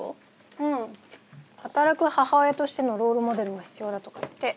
うん働く母親としてのロールモデルが必要だとか言って。